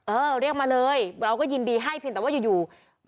เออเรียกมาเลยเราก็ยินดีให้เพียงแต่ว่าอยู่